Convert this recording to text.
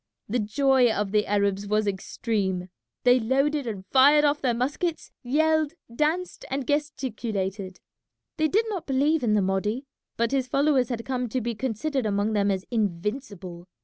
The joy of the Arabs was extreme. They loaded and fired off their muskets, yelled, danced, and gesticulated. They did not believe in the Mahdi, but his followers had come to be considered among them as invincible.